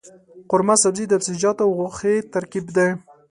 قورمه سبزي د سبزيجاتو او غوښې ترکیب دی.